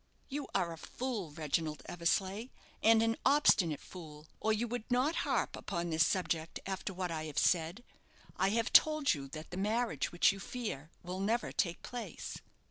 "You are a fool, Reginald Eversleigh, and an obstinate fool, or you would not harp upon this subject after what I have said. I have told you that the marriage which you fear will never take place."